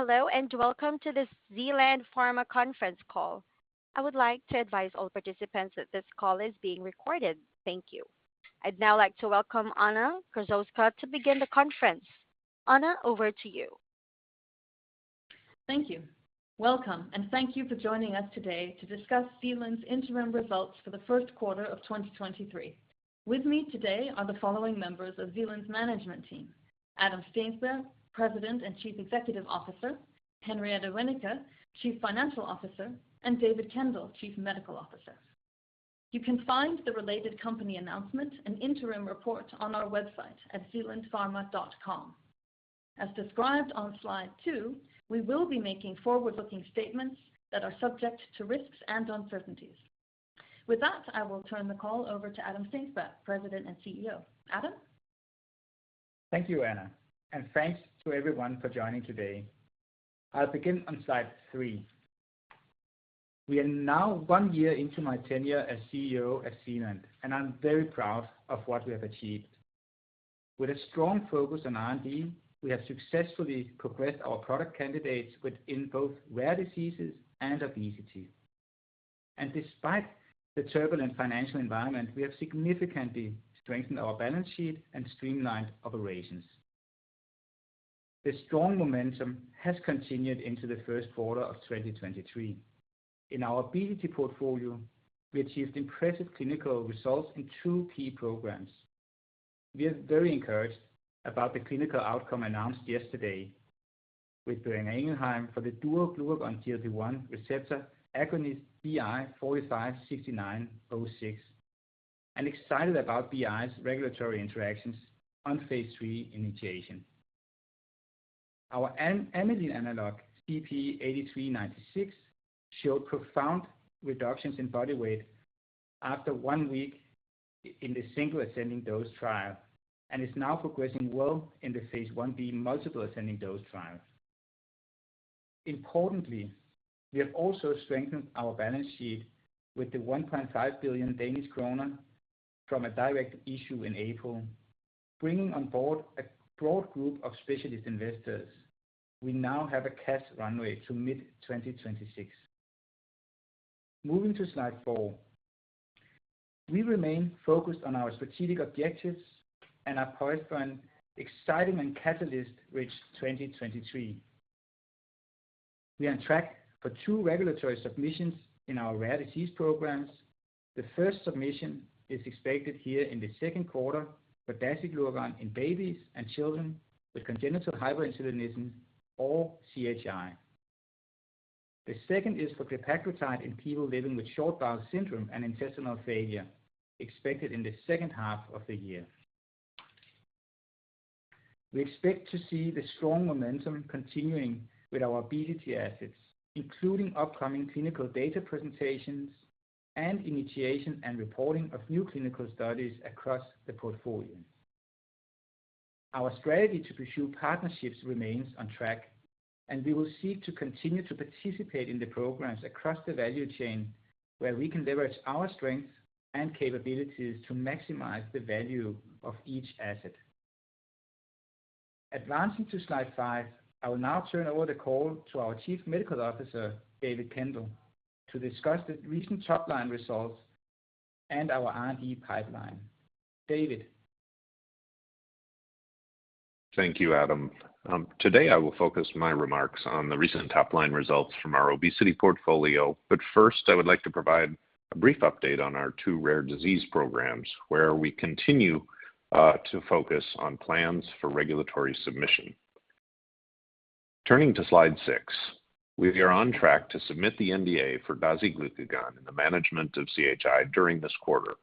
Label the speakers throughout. Speaker 1: Hello. Welcome to this Zealand Pharma conference call. I would like to advise all participants that this call is being recorded. Thank you. I'd now like to welcome Anna Krassowska to begin the conference. Anna, over to you.
Speaker 2: Thank you. Welcome, thank you for joining us today to discuss Zealand's interim results for the first quarter of 2023. With me today are the following members of Zealand's management team: Adam Steensberg, President and Chief Executive Officer, Henriette Wennicke, Chief Financial Officer, and David Kendall, Chief Medical Officer. You can find the related company announcement and interim report on our website at zealandpharma.com. As described on slide two, we will be making forward-looking statements that are subject to risks and uncertainties. With that, I will turn the call over to Adam Steensberg, President and CEO. Adam.
Speaker 3: Thank you, Anna, and thanks to everyone for joining today. I'll begin on slide three. We are now one year into my tenure as CEO at Zealand, and I'm very proud of what we have achieved. With a strong focus on R&D, we have successfully progressed our product candidates within both rare diseases and obesity. Despite the turbulent financial environment, we have significantly strengthened our balance sheet and streamlined operations. The strong momentum has continued into the first quarter of 2023. In our obesity portfolio, we achieved impressive clinical results in two key programs. We are very encouraged about the clinical outcome announced yesterday with Boehringer Ingelheim for the dual glucagon/GLP-1 receptor BI 456906 and excited about BI's regulatory interactions on phase III initiation. Our amylin analog ZP8396 showed profound reductions in body weight after one week in the single ascending dose trial and is now progressing well in the phase I-B multiple ascending dose trial. Importantly, we have also strengthened our balance sheet with the 1.5 billion Danish kroner from a direct issue in April, bringing on board a broad group of specialist investors. We now have a cash runway to mid-2026. Moving to slide four. We remain focused on our strategic objectives and are poised for an exciting and catalyst-rich 2023. We are on track for two regulatory submissions in our rare disease programs. The first submission is expected here in the second quarter for dasiglucagon in babies and children with congenital hyperinsulinism or CHI. The second is for glepaglutide in people living with short bowel syndrome and intestinal failure, expected in the second half of the year. We expect to see the strong momentum continuing with our obesity assets, including upcoming clinical data presentations and initiation and reporting of new clinical studies across the portfolio. Our strategy to pursue partnerships remains on track. We will seek to continue to participate in the programs across the value chain where we can leverage our strengths and capabilities to maximize the value of each asset. Advancing to slide five. I will now turn over the call to our Chief Medical Officer, David Kendall, to discuss the recent top-line results and our R&D pipeline. David.
Speaker 4: Thank you, Adam. Today, I will focus my remarks on the recent top-line results from our obesity portfolio. First, I would like to provide a brief update on our two rare disease programs, where we continue to focus on plans for regulatory submission. Turning to slide six. We are on track to submit the NDA for dasiglucagon in the management of CHI during this quarter.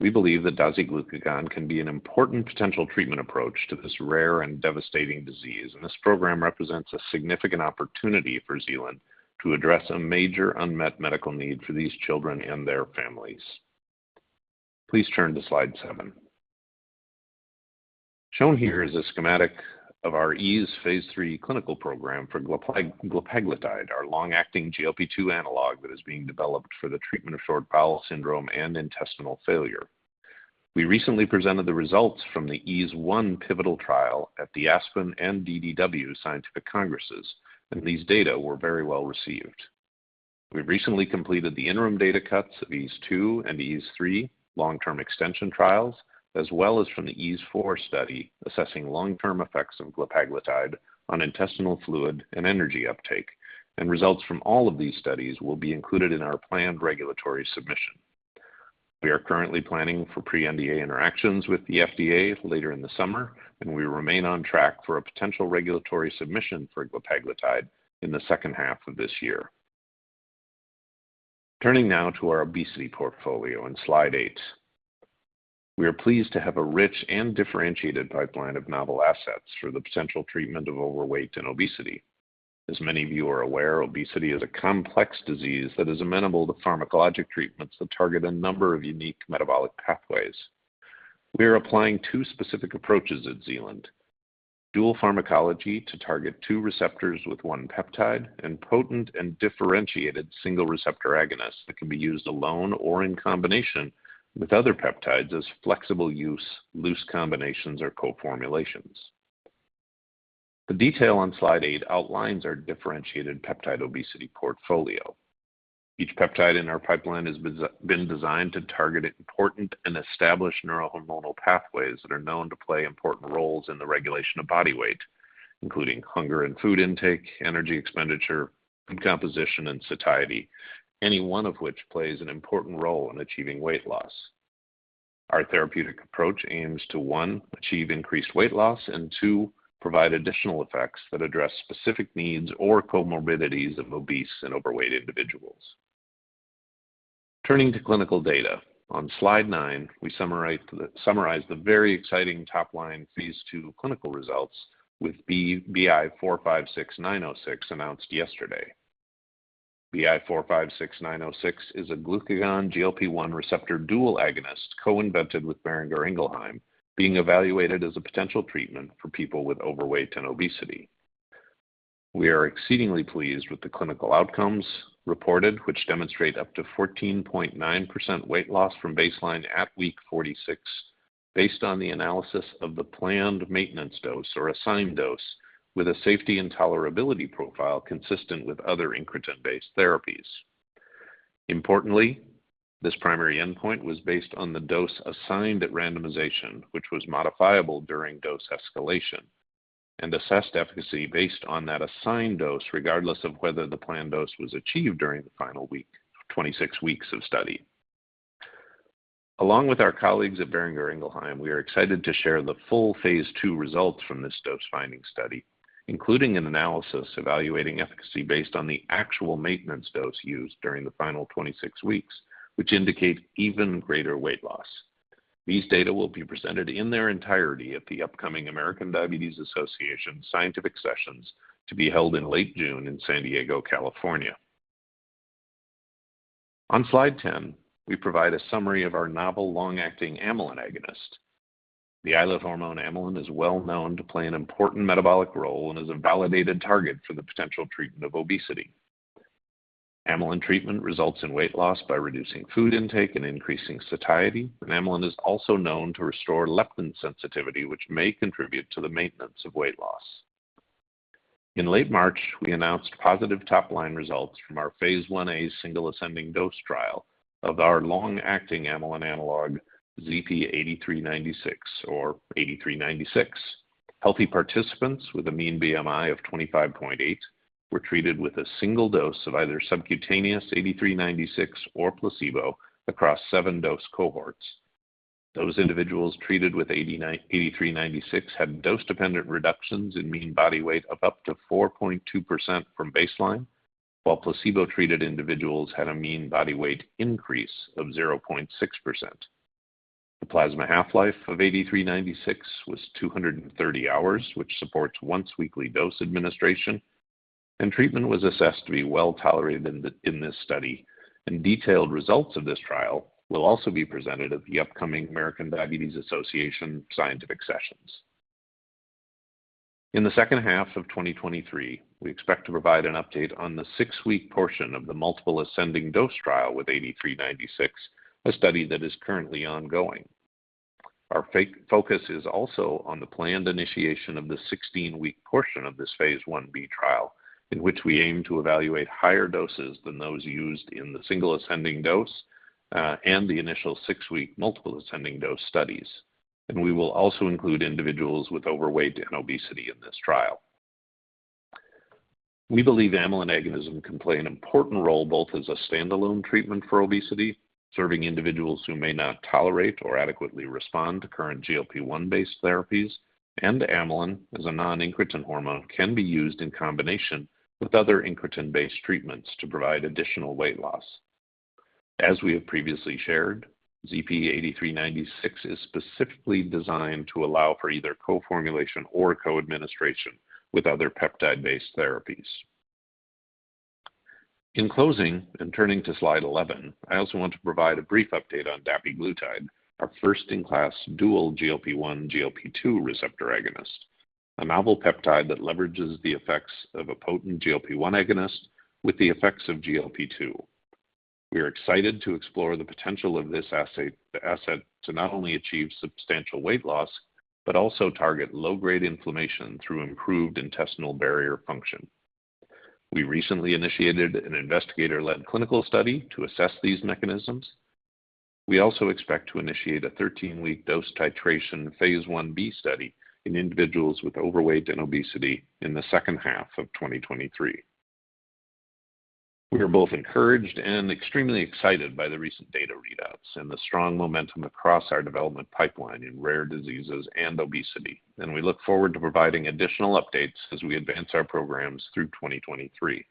Speaker 4: We believe that dasiglucagon can be an important potential treatment approach to this rare and devastating disease, and this program represents a significant opportunity for Zealand to address a major unmet medical need for these children and their families. Please turn to slide seven. Shown here is a schematic of our EASE phase III clinical program for glepaglutide, our long-acting GLP-2 analog that is being developed for the treatment of short bowel syndrome and intestinal failure. We recently presented the results from the EASE 1 pivotal trial at the ASPEN and DDW scientific congresses. These data were very well-received. We recently completed the interim data cuts of EASE 2 and EASE 3 long-term extension trials, as well as from the EASE 4 study assessing long-term effects of glepaglutide on intestinal fluid and energy uptake. Results from all of these studies will be included in our planned regulatory submission. We are currently planning for pre-NDA interactions with the FDA later in the summer. We remain on track for a potential regulatory submission for glepaglutide in the second half of this year. Turning now to our obesity portfolio on slide eight. We are pleased to have a rich and differentiated pipeline of novel assets for the potential treatment of overweight and obesity. As many of you are aware, obesity is a complex disease that is amenable to pharmacologic treatments that target a number of unique metabolic pathways. We are applying two specific approaches at Zealand: dual pharmacology to target two receptors with one peptide and potent and differentiated single receptor agonists that can be used alone or in combination with other peptides as flexible use, loose combinations or co-formulations. The detail on slide eight outlines our differentiated peptide obesity portfolio. Each peptide in our pipeline has been designed to target important and established neurohormonal pathways that are known to play important roles in the regulation of body weight, including hunger and food intake, energy expenditure, composition, and satiety, any one of which plays an important role in achieving weight loss. Our therapeutic approach aims to, one, achieve increased weight loss and two, provide additional effects that address specific needs or comorbidities of obese and overweight individuals. Turning to clinical data. On slide nine, we summarize the very exciting top-line phase II clinical results with BI 456906 announced yesterday. BI 456906 is a glucagon GLP-1 receptor dual agonist co-invented with Boehringer Ingelheim, being evaluated as a potential treatment for people with overweight and obesity. We are exceedingly pleased with the clinical outcomes reported, which demonstrate up to 14.9% weight loss from baseline at Week 46, based on the analysis of the planned maintenance dose or assigned dose with a safety and tolerability profile consistent with other incretin-based therapies. Importantly, this primary endpoint was based on the dose assigned at randomization, which was modifiable during dose escalation and assessed efficacy based on that assigned dose, regardless of whether the planned dose was achieved during the final week of 26 weeks of study. Along with our colleagues at Boehringer Ingelheim, we are excited to share the full phase II results from this dose-finding study, including an analysis evaluating efficacy based on the actual maintenance dose used during the final 26 weeks, which indicate even greater weight loss. These data will be presented in their entirety at the upcoming American Diabetes Association Scientific Sessions to be held in late June in San Diego, California. On slide 10, we provide a summary of our novel long-acting amylin agonist. The islet hormone amylin is well known to play an important metabolic role and is a validated target for the potential treatment of obesity. Amylin treatment results in weight loss by reducing food intake and increasing satiety. Amylin is also known to restore leptin sensitivity, which may contribute to the maintenance of weight loss. In late March, we announced positive top-line results from phase I-A single ascending dose trial of our long-acting amylin analog ZP8396 or 8396. Healthy participants with a mean BMI of 25.8 were treated with a single dose of either subcutaneous 8396 or placebo across seven dose cohorts. Those individuals treated with 8396 had dose-dependent reductions in mean body weight of up to 4.2% from baseline, while placebo-treated individuals had a mean body weight increase of 0.6%. The plasma half-life of ZP8396 was 230 hours, which supports once-weekly dose administration and treatment was assessed to be well tolerated in this study. Detailed results of this trial will also be presented at the upcoming American Diabetes Association Scientific Sessions. In the second half of 2023, we expect to provide an update on the six-week portion of the multiple ascending dose trial with ZP8396, a study that is currently ongoing. Our focus is also on the planned initiation of the 16-week portion of this phase I-B trial, in which we aim to evaluate higher doses than those used in the single ascending dose and the initial six-week multiple ascending dose studies. We will also include individuals with overweight and obesity in this trial. We believe amylin agonism can play an important role both as a standalone treatment for obesity, serving individuals who may not tolerate or adequately respond to current GLP-1-based therapies, and amylin, as a non-incretin hormone, can be used in combination with other incretin-based treatments to provide additional weight loss. As we have previously shared, ZP8396 is specifically designed to allow for either co-formulation or co-administration with other peptide-based therapies. In closing, turning to slide 11, I also want to provide a brief update on dapiglutide, our first-in-class dual GLP-1/GLP-2 receptor agonist, a novel peptide that leverages the effects of a potent GLP-1 agonist with the effects of GLP-2. We are excited to explore the potential of this asset to not only achieve substantial weight loss, but also target low-grade inflammation through improved intestinal barrier function. We recently initiated an investigator-led clinical study to assess these mechanisms. We also expect to initiate a 13-week dose titration phase I-B study in individuals with overweight and obesity in the second half of 2023. We are both encouraged and extremely excited by the recent data readouts and the strong momentum across our development pipeline in rare diseases and obesity. We look forward to providing additional updates as we advance our programs through 2023.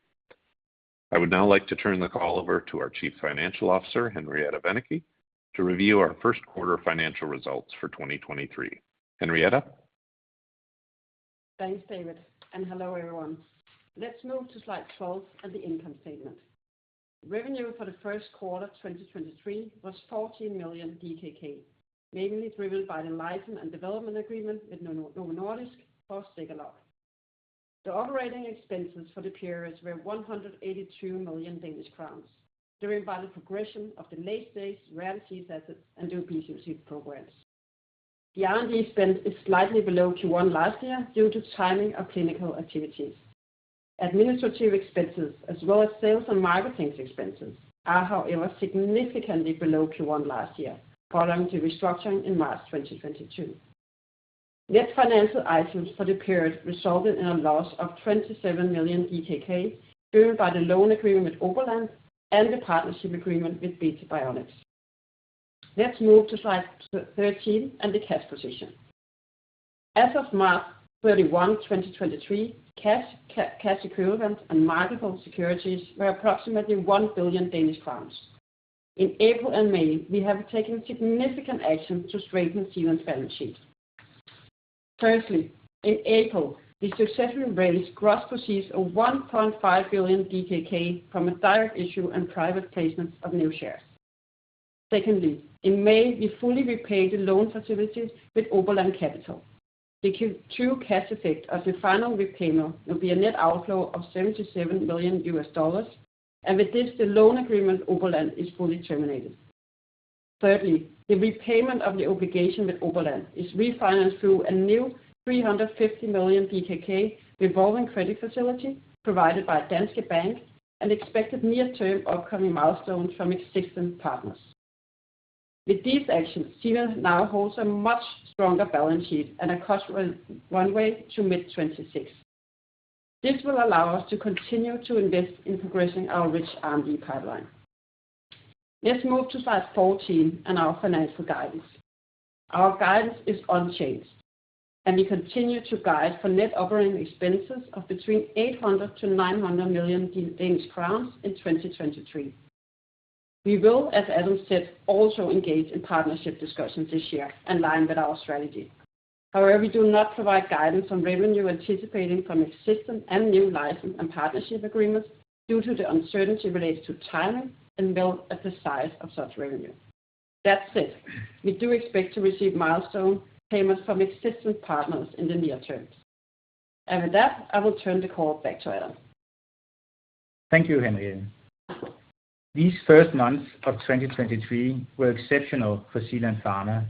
Speaker 4: I would now like to turn the call over to our Chief Financial Officer, Henriette Wennicke, to review our first quarter financial results for 2023. Henriette?
Speaker 5: Thanks, David, and hello, everyone. Let's move to slide 12 at the income statement. Revenue for the first quarter 2023 was 14 million DKK, mainly driven by the license and development agreement with Novo Nordisk for Zegalogue. The operating expenses for the periods were 182 million Danish crowns, driven by the progression of the late-stage rare disease assets and obesity programs. The R&D spend is slightly below Q1 last year due to timing of clinical activities. Administrative expenses as well as sales and marketing expenses are, however, significantly below Q1 last year following the restructuring in March 2022. Net financial items for the period resulted in a loss of 27 million DKK driven by the loan agreement with Oberland and the partnership agreement with Beta Bionics. Let's move to slide 13 and the cash position. As of March 31, 2023, cash equivalents and marketable securities were approximately 1 billion Danish crowns. In April and May, we have taken significant action to strengthen Zealand's balance sheet. Firstly, in April, we successfully raised gross proceeds of 1.5 billion DKK from a direct issue and private placement of new shares. Secondly, in May, we fully repaid the loan facilities with Oberland Capital. The Q2 cash effect of the final repayment will be a net outflow of $77 million. With this, the loan agreement with Oberland is fully terminated. Thirdly, the repayment of the obligation with Oberland is refinanced through a new 350 million revolving credit facility provided by Danske Bank and expected near-term upcoming milestones from existing partners. With these actions, Zealand now holds a much stronger balance sheet and a cost runway to mid-2026. This will allow us to continue to invest in progressing our rich R&D pipeline. Let's move to slide 14 and our financial guidance. Our guidance is unchanged, we continue to guide for net operating expenses of between 800 million-900 million Danish crowns in 2023. We will, as Adam said, also engage in partnership discussions this year in line with our strategy. However, we do not provide guidance on revenue anticipating from existing and new license and partnership agreements due to the uncertainty related to timing and well as the size of such revenue. That said, we do expect to receive milestone payments from existing partners in the near term. With that, I will turn the call back to Adam.
Speaker 3: Thank you, Henriette. These first months of 2023 were exceptional for Zealand Pharma.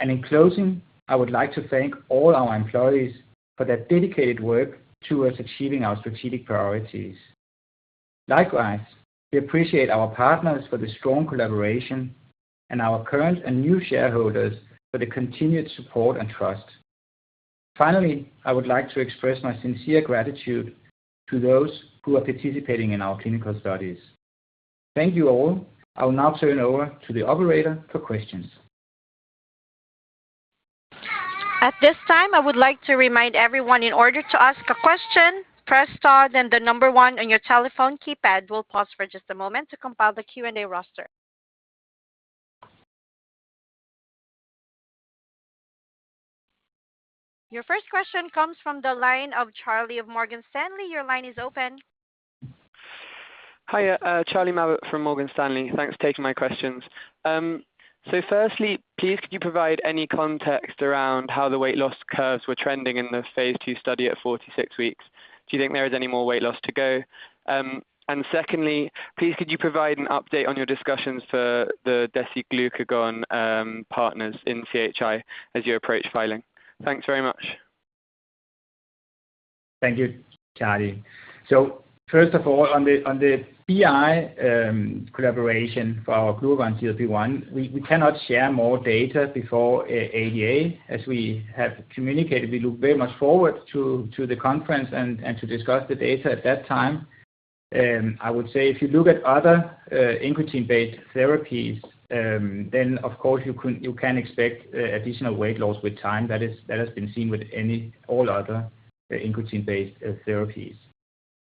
Speaker 3: In closing, I would like to thank all our employees for their dedicated work towards achieving our strategic priorities. Likewise, we appreciate our partners for the strong collaboration and our current and new shareholders for the continued support and trust. Finally, I would like to express my sincere gratitude to those who are participating in our clinical studies. Thank you, all. I will now turn over to the operator for questions.
Speaker 1: At this time, I would like to remind everyone in order to ask a question, press star then the number one on your telephone keypad. We'll pause for just a moment to compile the Q&A roster. Your first question comes from the line of Charlie of Morgan Stanley. Your line is open.
Speaker 6: Hi, Charlie Mabbutt from Morgan Stanley. Thanks for taking my questions. Firstly, please, could you provide any context around how the weight loss curves were trending in the phase II study at 46 weeks? Do you think there is any more weight loss to go? Secondly, please, could you provide an update on your discussions for the dasiglucagon partners in CHI as you approach filing? Thanks very much.
Speaker 3: Thank you, Charlie. First of all, on the BI collaboration for our glucagon GLP-1, we cannot share more data before ADA. As we have communicated, we look very much forward to the conference and to discuss the data at that time. I would say if you look at other incretin-based therapies, then of course you can expect additional weight loss with time. That has been seen with all other incretin-based therapies.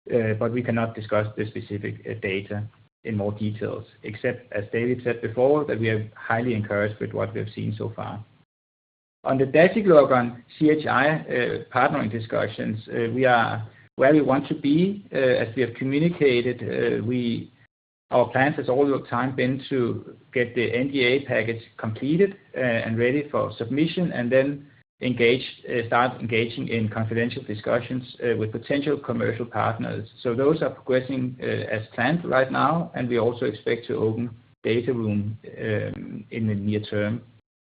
Speaker 3: We cannot discuss the specific data in more details, except, as David said before, that we are highly encouraged with what we have seen so far. On the dasiglucagon CHI partnering discussions, we are where we want to be. As we have communicated, our plan has all the time been to get the NDA package completed and ready for submission and then engage, start engaging in confidential discussions with potential commercial partners. Those are progressing as planned right now, and we also expect to open data room in the near term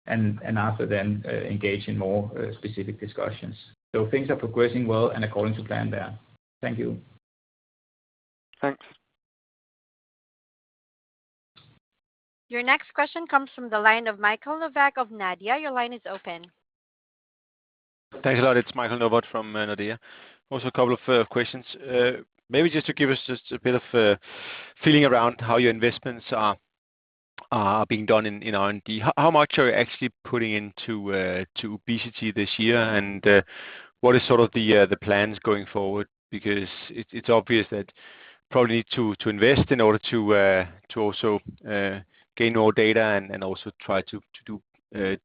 Speaker 3: and after then engage in more specific discussions. Things are progressing well and according to plan there. Thank you.
Speaker 6: Thanks.
Speaker 1: Your next question comes from the line of Michael Novod of Nordea. Your line is open.
Speaker 7: Thanks a lot. It's Michael Novod from Nordea. Also a couple of questions. Maybe just to give us just a bit of feeling around how your investments are being done in R&D. How much are you actually putting into obesity this year? What is sort of the plans going forward? Because it's obvious that probably to invest in order to also gain more data and also try to do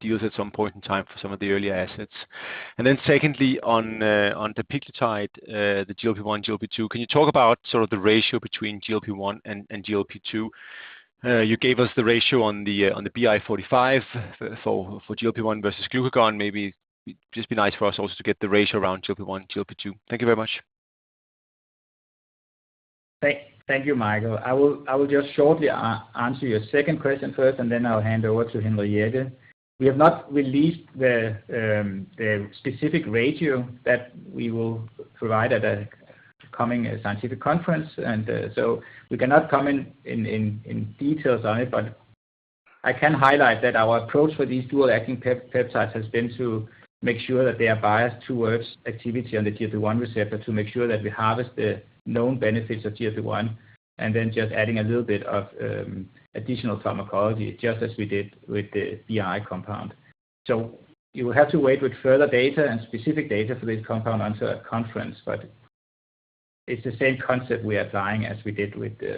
Speaker 7: deals at some point in time for some of the earlier assets. Secondly, on the dapiglutide, the GLP-1/GLP-2, can you talk about sort of the ratio between GLP-1 and GLP-2? You gave us the ratio on the, on the BI 45 for GLP-1 versus glucagon. Maybe it'd just be nice for us also to get the ratio around GLP-1/GLP-2. Thank you very much.
Speaker 3: Thank you, Michael. I will just shortly answer your second question first. I'll hand over to Henriette. We have not released the specific ratio that we will provide at a coming scientific conference. We cannot comment in details on it, but I can highlight that our approach for these dual-acting peptides has been to make sure that they are biased towards activity on the GLP-1 receptor to make sure that we harvest the known benefits of GLP-1. Just adding a little bit of additional pharmacology, just as we did with the BI compound. You have to wait with further data and specific data for this compound until a conference, but it's the same concept we are trying as we did with the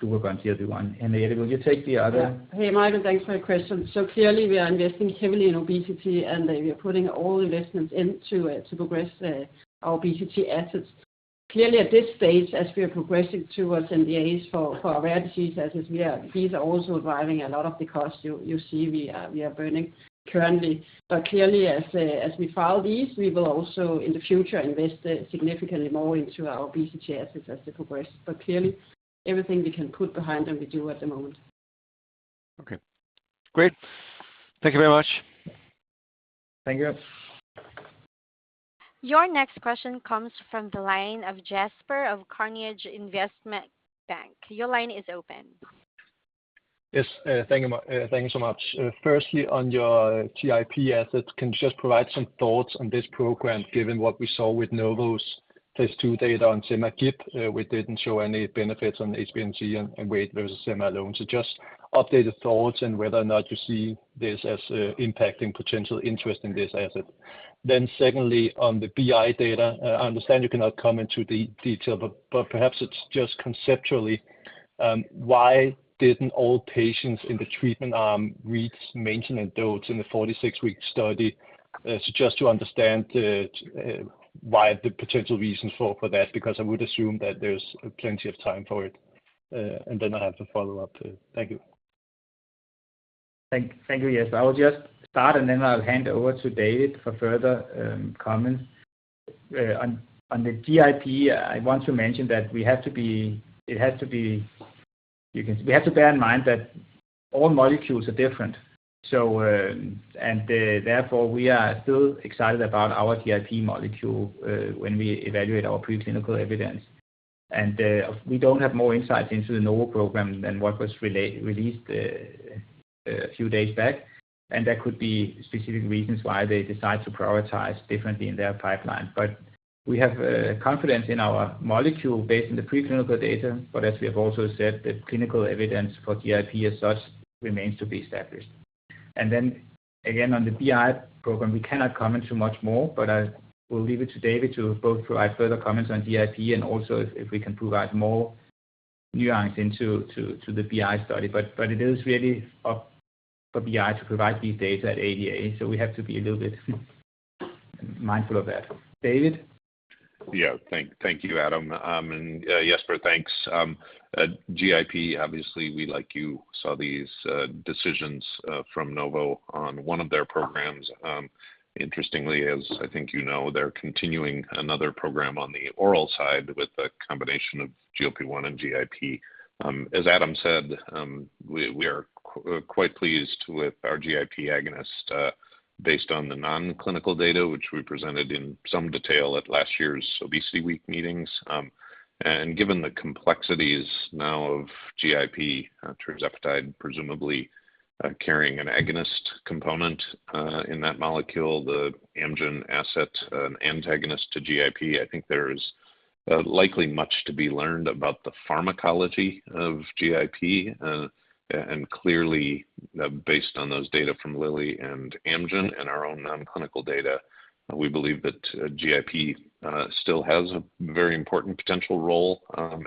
Speaker 3: glucagon GLP-1. Henriette, will you take the other?
Speaker 5: Hey, Michael, thanks for your question. Clearly, we are investing heavily in obesity, and we are putting all investments into it to progress our obesity assets. Clearly, at this stage, as we are progressing towards NDAs for our rare disease assets, these are also driving a lot of the costs you see we are burning currently. Clearly, as we file these, we will also in the future invest significantly more into our obesity assets as they progress. Clearly, everything we can put behind them, we do at the moment.
Speaker 7: Okay. Great. Thank you very much.
Speaker 3: Thank you.
Speaker 1: Your next question comes from the line of Jesper of Carnegie Investment Bank. Your line is open.
Speaker 8: Yes, thank you, thank you so much. Firstly, on your GIP assets, can you just provide some thoughts on this program, given what we saw with Novo's phase II data on [sema-GIP], which didn't show any benefits on HbA1c and weight versus sema alone. Just updated thoughts and whether or not you see this as impacting potential interest in this asset. Secondly, on the BI data, I understand you cannot comment to the detail, but perhaps it's just conceptually, why didn't all patients in the treatment arm reach maintenance and dose in the 46-week study? Just to understand the why the potential reasons for that, because I would assume that there's plenty of time for it. I have to follow up too. Thank you.
Speaker 3: Thank you, Jesper. I will just start, then I'll hand over to David for further comments. On the GIP, I want to mention that we have to bear in mind that all molecules are different. Therefore, we are still excited about our GIP molecule when we evaluate our preclinical evidence. We don't have more insight into the Novo program than what was released a few days back. There could be specific reasons why they decide to prioritize differently in their pipeline. We have confidence in our molecule based on the preclinical data. As we have also said, the clinical evidence for GIP as such remains to be established. Then again, on the BI program, we cannot comment too much more, I will leave it to David to both provide further comments on GIP and also if we can provide more nuance into the BI study. It is really up for BI to provide these data at ADA, we have to be a little bit mindful of that. David?
Speaker 4: Thank you, Adam. Jesper, thanks. GIP, obviously, we, like you, saw these decisions from Novo on one of their programs. Interestingly, as I think you know, they're continuing another program on the oral side with a combination of GLP-1 and GIP. As Adam said, we are quite pleased with our GIP agonist, based on the non-clinical data which we presented in some detail at last year's ObesityWeek meetings. Given the complexities now of GIP, tirzepatide presumably, carrying an agonist component in that molecule, the Amgen asset, an antagonist to GIP, I think there is likely much to be learned about the pharmacology of GIP. Clearly, based on those data from Lilly and Amgen and our own non-clinical data, we believe that GIP still has a very important potential role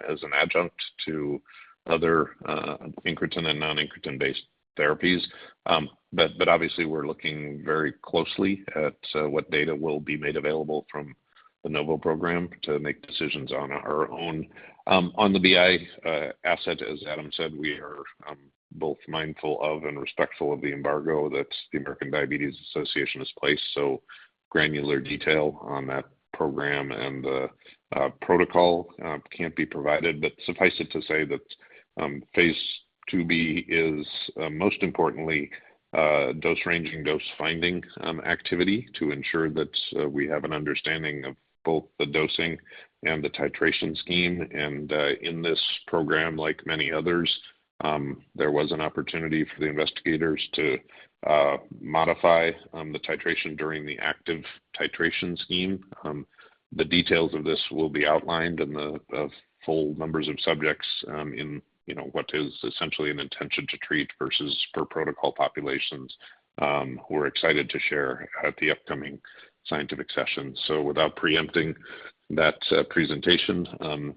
Speaker 4: as an adjunct to other incretin and non-incretin-based therapies. Obviously, we're looking very closely at what data will be made available from the Novo program to make decisions on our own. On the BI asset, as Adam said, we are both mindful of and respectful of the embargo that the American Diabetes Association has placed. Granular detail on that program and the protocol can't be provided. Suffice it to say phase II-B is most importantly dose ranging, dose finding activity to ensure that we have an understanding of both the dosing and the titration scheme. In this program, like many others, there was an opportunity for the investigators to modify the titration during the active titration scheme. The details of this will be outlined in the full numbers of subjects, in, you know, what is essentially an intention to treat versus per protocol populations, we're excited to share at the upcoming scientific session. Without preempting that presentation,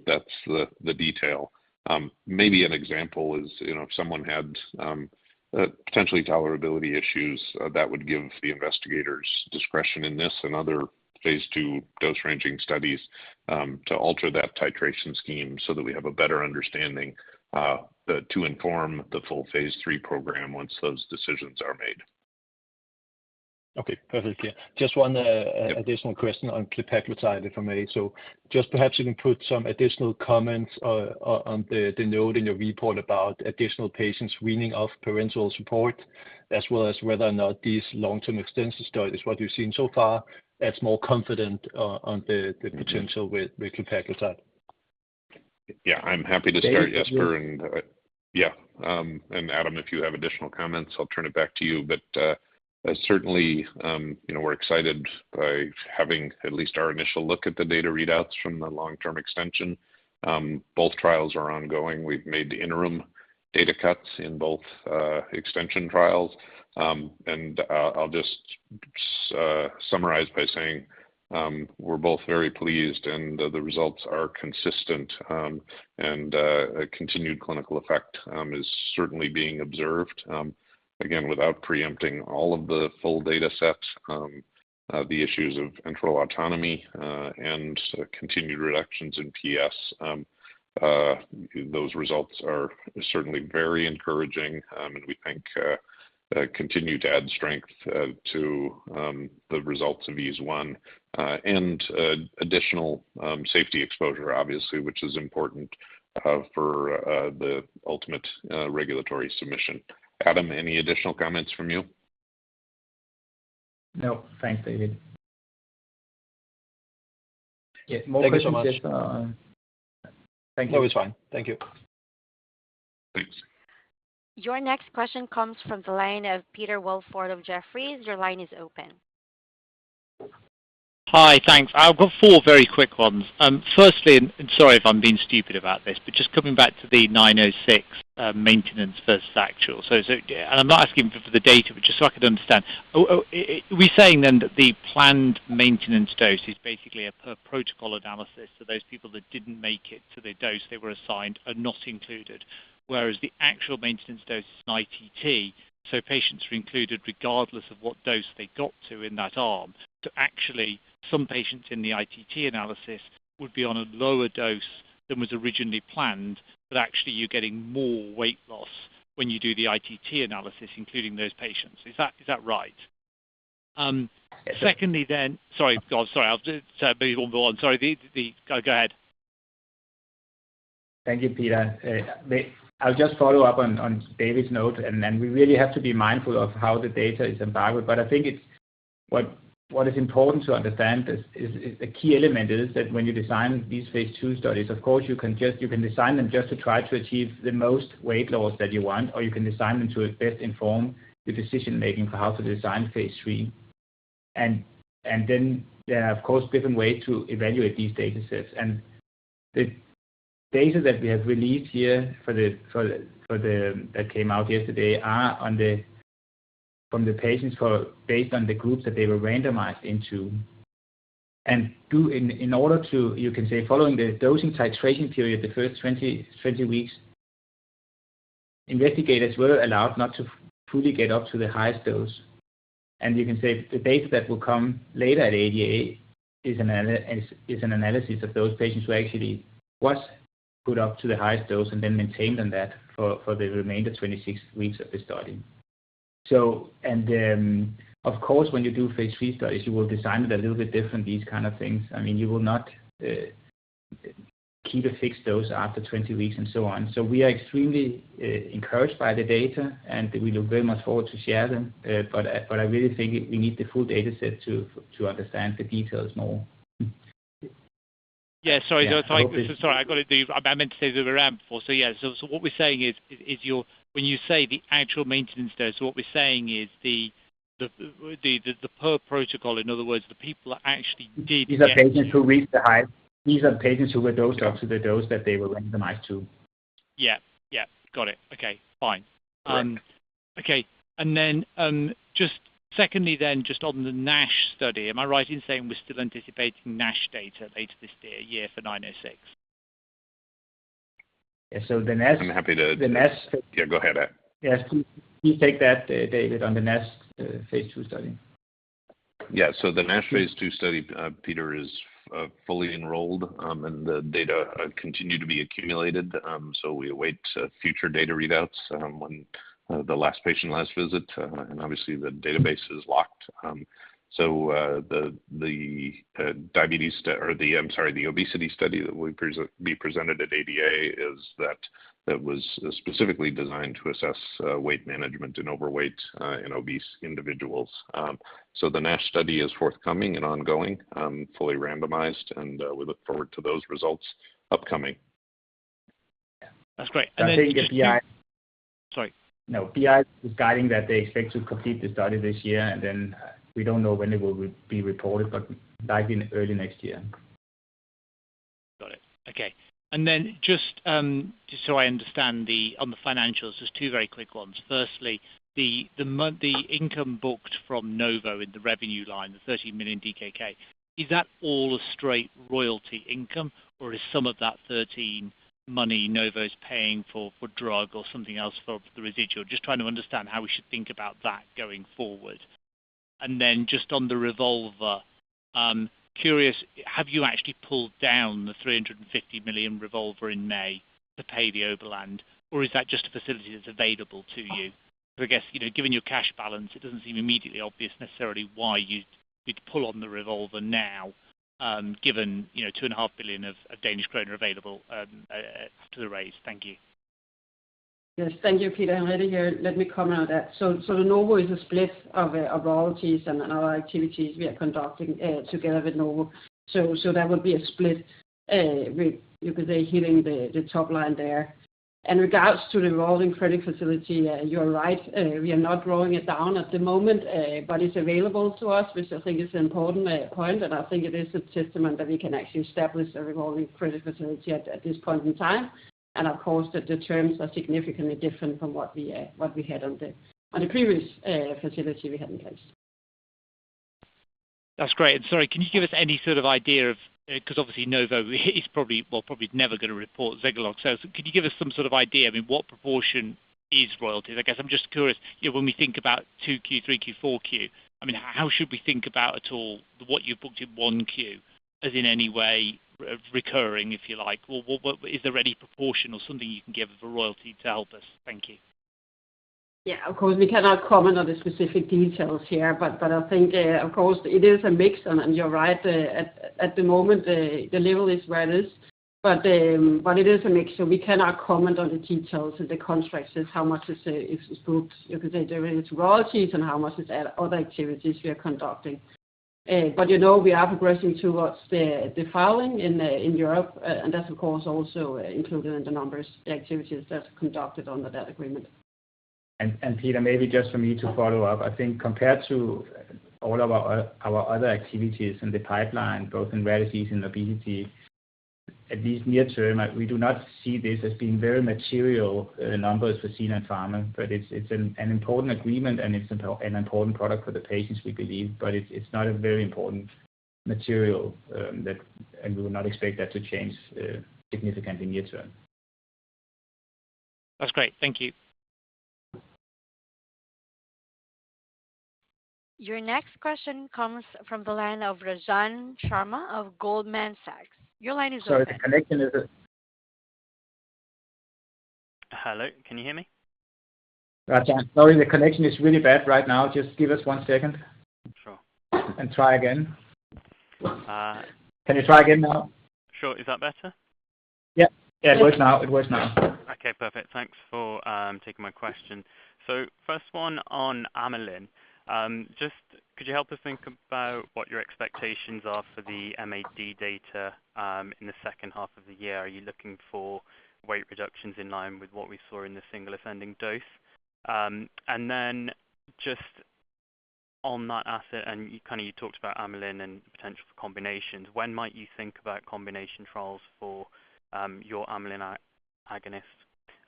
Speaker 4: that's the detail. Maybe an example is, you know, if someone had potentially tolerability issues, that would give the investigators discretion in this and other phase II dose-ranging studies, to alter that titration scheme so that we have a better understanding to inform the full phase III program once those decisions are made.
Speaker 8: Okay, perfect. Yeah. Just one additional question on glepaglutide, if I may. Just perhaps you can put some additional comments on the note in your report about additional patients weaning off parenteral support as well as whether or not these long-term extension studies, what you've seen so far adds more confident on the potential with glepaglutide.
Speaker 4: Yeah. I'm happy to start, Jesper. Yeah, and Adam, if you have additional comments, I'll turn it back to you. Certainly, you know, we're excited by having at least our initial look at the data readouts from the long-term extension. Both trials are ongoing. We've made the interim data cuts in both extension trials. I'll just summarize by saying, we're both very pleased. The results are consistent. A continued clinical effect is certainly being observed, again, without preempting all of the full data set, the issues of internal autonomy, and continued reductions in PS. Those results are certainly very encouraging, and we think continue to add strength to the results of EASE 1, and additional safety exposure obviously, which is important for the ultimate regulatory submission. Adam, any additional comments from you?
Speaker 3: No. Thanks, David.
Speaker 8: Yeah. Thank you so much.
Speaker 3: More questions.
Speaker 8: No, it's fine. Thank you.
Speaker 4: Thanks.
Speaker 1: Your next question comes from the line of Peter Welford of Jefferies. Your line is open.
Speaker 9: Hi. Thanks. I've got four very quick ones. Firstly, sorry if I'm being stupid about this, but just coming back to the 906 maintenance versus actual. I'm not asking for the data, but just so I could understand. Are we saying that the planned maintenance dose is basically a per protocol analysis. So those people that didn't make it to the dose they were assigned are not included. Whereas the actual maintenance dose is an ITT, so patients are included regardless of what dose they got to in that arm. Actually some patients in the ITT analysis would be on a lower dose than was originally planned, but actually you're getting more weight loss when you do the ITT analysis, including those patients. Is that right? Secondly. Sorry. Go on. Sorry. I'll just move on. Sorry. Go ahead.
Speaker 3: Thank you, Peter. I'll just follow up on David's note, and then we really have to be mindful of how the data is embargoed. I think what is important to understand is the key element is that when you design these phase II studies, of course you can design them just to try to achieve the most weight loss that you want, or you can design them to best inform the decision-making for how to design phase III. There are of course different way to evaluate these datasets. The data that we have released here for the that came out yesterday are from the patients based on the groups that they were randomized into. Through in order to, you can say following the dosing titration period, the first 20 weeks, investigators were allowed not to fully get up to the highest dose. You can say the data that will come later at ADA is an analysis of those patients who actually was put up to the highest dose and then maintained on that for the remainder 26 weeks of the study. Of course, when you do phase III studies, you will design it a little bit different, these kind of things. I mean, you will not keep a fixed dose after 20 weeks and so on. We are extremely encouraged by the data, and we look very much forward to share them. I really think we need the full data set to understand the details more.
Speaker 9: Yeah. Sorry.
Speaker 3: Yeah.
Speaker 9: Sorry. I got it. I meant to say the RAM before. Yeah. What we're saying is, when you say the actual maintenance dose, what we're saying is the per protocol, in other words, the people that actually did get-
Speaker 3: These are patients who were dosed up to the dose that they were randomized to.
Speaker 9: Yeah. Yeah. Got it. Okay, fine.
Speaker 3: All right.
Speaker 9: Okay. Just secondly, just on the NASH study, am I right in saying we're still anticipating NASH data later this year for 906?
Speaker 3: Yeah.
Speaker 4: I'm happy to-
Speaker 3: The NASH-
Speaker 4: Yeah. Go ahead, Adam.
Speaker 3: Yes. Please take that, David, on the NASH phase II study.
Speaker 4: Yeah. The NASH phase II study, Peter, is fully enrolled, and the data continue to be accumulated. We await future data readouts, when the last patient last visit, and obviously the database is locked. The obesity study that we be presented at ADA is that was specifically designed to assess weight management in overweight and obese individuals. The NASH study is forthcoming and ongoing, fully randomized, and we look forward to those results upcoming.
Speaker 9: Yeah. That's great.
Speaker 3: I think the-
Speaker 9: Sorry. No.
Speaker 3: PI is guiding that they expect to complete the study this year, and then we don't know when it will be reported, but likely early next year.
Speaker 9: Got it. Okay. Just so I understand the, on the financials, there's two very quick ones. Firstly, the income booked from Novo in the revenue line, the 13 million DKK. Is that all a straight royalty income or is some of that 13 million money Novo's paying for drug or something else for the residual? Just trying to understand how we should think about that going forward. Just on the revolver. I'm curious, have you actually pulled down the 350 million revolver in May to pay the Oberland, or is that just a facility that's available to you? I guess, you know, given your cash balance, it doesn't seem immediately obvious necessarily why you'd pull on the revolver now, given, you know, 2.5 billion available to the raise. Thank you.
Speaker 5: Yes. Thank you, Peter. Let me comment on that. Novo is a split of royalties and other activities we are conducting together with Novo. That would be a split with, you could say, hitting the top line there. In regards to the revolving credit facility, you are right. We are not drawing it down at the moment. But it's available to us, which I think is an important point, and I think it is a testament that we can actually establish a revolving credit facility at this point in time. Of course, the terms are significantly different from what we what we had on the previous facility we had in place.
Speaker 9: That's great. Sorry, can you give us any sort of idea. Because obviously Novo is probably, well, probably never gonna report Zegalogue. Can you give us some sort of idea, I mean, what proportion is royalties? I guess I'm just curious, you know, when we think about 2Q, 3Q, 4Q, I mean, how should we think about at all what you booked in 1Q as in any way recurring, if you like? Or what Is there any proportion or something you can give of a royalty to help us? Thank you.
Speaker 5: Yeah, of course, we cannot comment on the specific details here. But I think, of course, it is a mix. You're right, at the moment the level is where it is. It is a mix, so we cannot comment on the details of the contracts, just how much is booked. You could say, related to royalties and how much is at other activities we are conducting. You know, we are progressing towards the filing in Europe. That's of course also included in the numbers, the activities that's conducted under that agreement.
Speaker 3: Peter, maybe just for me to follow up. I think compared to all of our other activities in the pipeline, both in rare disease and obesity, at least near term, we do not see this as being very material numbers for Zealand Pharma. But it's an important agreement, and it's an important product for the patients we believe. It's not a very important material that and we would not expect that to change significantly near term.
Speaker 9: That's great. Thank you.
Speaker 1: Your next question comes from the line of Rajan Sharma of Goldman Sachs. Your line is open.
Speaker 3: Sorry, the connection is a-
Speaker 10: Hello, can you hear me?
Speaker 3: Rajan, sorry, the connection is really bad right now. Just give us one second.
Speaker 10: Sure.
Speaker 3: Try again.
Speaker 10: Uh.
Speaker 3: Can you try again now?
Speaker 10: Sure. Is that better?
Speaker 3: Yeah. Yeah. It works now. It works now.
Speaker 10: Okay, perfect. Thanks for taking my question. First one on amylin. Just could you help us think about what your expectations are for the MAD data in the second half of the year? Are you looking for weight reductions in line with what we saw in the single ascending dose? Then just on that asset, and you kind of talked about amylin and potential for combinations, when might you think about combination trials for your amylin agonist?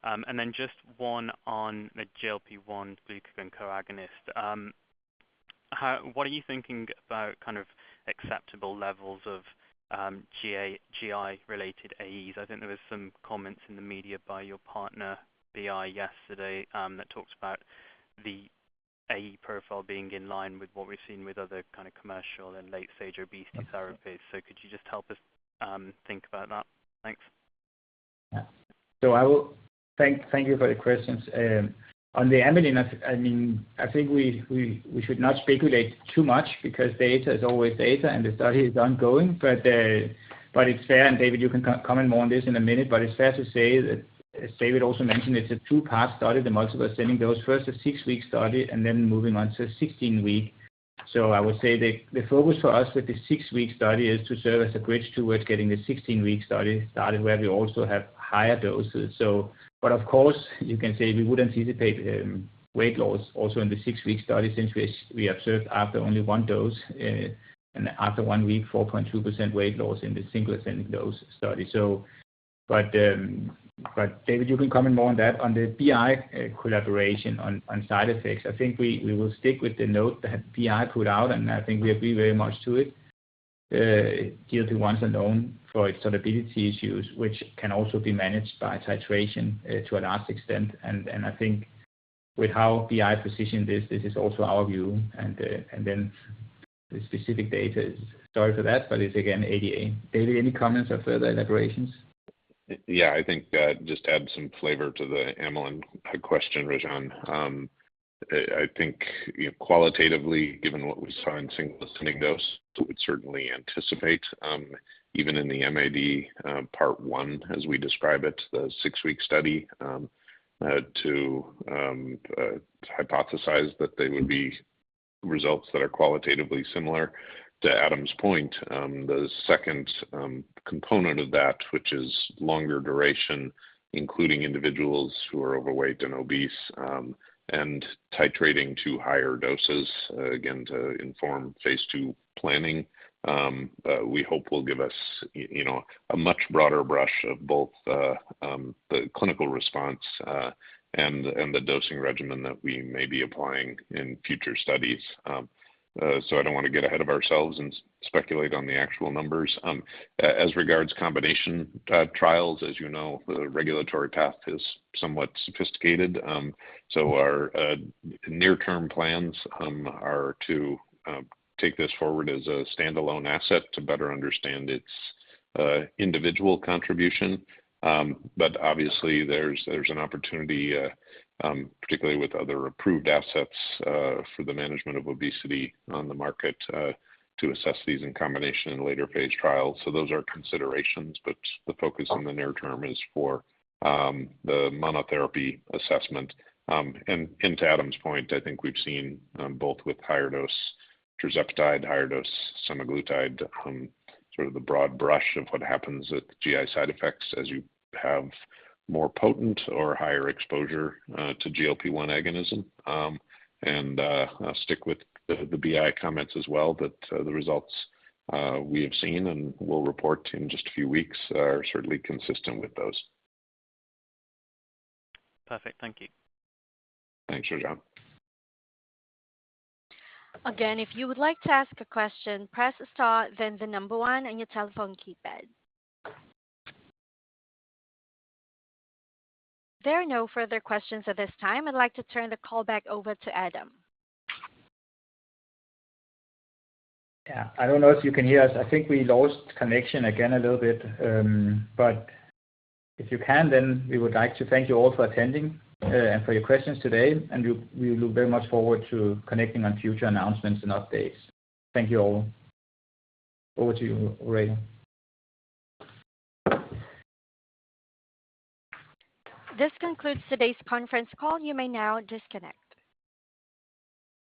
Speaker 10: And then just one on the GLP-1 glucagon co-agonist. What are you thinking about kind of acceptable levels of GI-related AEs. I think there was some comments in the media by your partner, BI, yesterday, that talked about the AE profile being in line with what we've seen with other kind of commercial and late-stage obesity therapies. Could you just help us, think about that? Thanks.
Speaker 3: Thank you for the questions. On the amylin, I mean, I think we should not speculate too much because data is always data and the study is ongoing. It's fair, and David, you can comment more on this in a minute, but it's fair to say that as David also mentioned, it's a two-part study, the multiple ascending dose. First, a six-week study and then moving on to a 16-week. I would say the focus for us with the six-week study is to serve as a bridge towards getting the 16-week study started, where we also have higher doses. Of course, you can say we would anticipate weight loss also in the six-week study since we observed after only one dose and after one week, 4.2% weight loss in the single ascending dose study. David, you can comment more on that. On the BI collaboration on side effects, I think we will stick with the note that BI put out, and I think we agree very much to it. GLP-1s are known for its tolerability issues, which can also be managed by titration to a large extent. I think with how BI positioned this is also our view. The specific data is sorry for that, but it's again ADA. David, any comments or further elaborations?
Speaker 4: Yeah. I think, just to add some flavor to the amylin question, Rajan. I think, you know, qualitatively, given what we saw in single ascending dose, we would certainly anticipate,. Even in the MAD part one as we describe it, the six-week study, hypothesize that they would be results that are qualitatively similar. To Adam's point, the second component of that, which is longer duration, including individuals who are overweight and obese, and titrating to higher doses, again, to inform phase II planning. We hope will give us, you know, a much broader brush of both the clinical response, and the dosing regimen that we may be applying in future studies. I don't wanna get ahead of ourselves and speculate on the actual numbers. As regards combination trials, as you know, the regulatory path is somewhat sophisticated. Our near-term plans are to take this forward as a standalone asset to better understand its individual contribution. Obviously there's an opportunity, particularly with other approved assets for the management of obesity on the market to assess these in combination in later phase trials. Those are considerations, but the focus in the near term is for the monotherapy assessment. To Adam's point, I think we've seen both with higher dose tirzepatide, higher dose semaglutide, sort of the broad brush of what happens with GI side effects as you have more potent or higher exposure to GLP-1 agonism. I'll stick with the BI comments as well, but the results we have seen and we'll report in just a few weeks are certainly consistent with those.
Speaker 10: Perfect. Thank you.
Speaker 4: Thanks, Rajan.
Speaker 1: Again, if you would like to ask a question, press star then the number one on your telephone keypad. There are no further questions at this time. I'd like to turn the call back over to Adam.
Speaker 3: Yeah. I don't know if you can hear us. I think we lost connection again a little bit. If you can, we would like to thank you all for attending and for your questions today. We look very much forward to connecting on future announcements and updates. Thank you all. Over to you, Rachel.
Speaker 1: This concludes today's conference call. You may now disconnect.